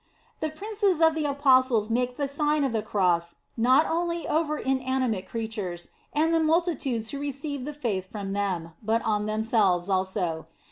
The princes of the apostles made the Sign of the Cross not only over inanimate crea tures, and the multitudes who received the faith from them, but on themselves also.